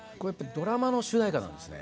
ドラマの主題歌なんですね。